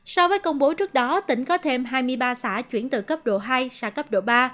so với công bố trước đó tỉnh có thêm hai mươi ba xã chuyển từ cấp độ hai ra cấp độ ba